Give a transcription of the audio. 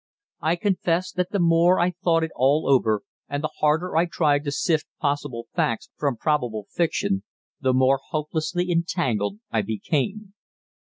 I confess that the more I thought it all over and the harder I tried to sift possible facts from probable fiction the more hopelessly entangled I became.